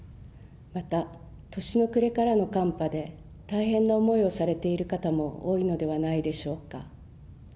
また、年の暮れからの寒波で、大変な思いをされている方も多いのではないでしょうか。